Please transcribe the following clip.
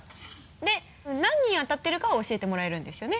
で何人当たってるかは教えてもらえるんですよね？